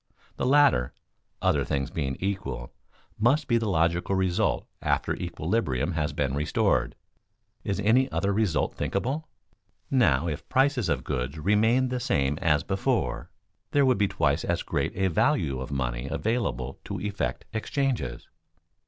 The latter, "other things being equal," must be the logical result after equilibrium has been restored. Is any other result thinkable? Now if prices of goods remained the same as before, there would be twice as great a value of money available to effect exchanges.